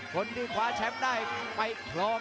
คนที่พาแชมป์ได้ไปพร้อม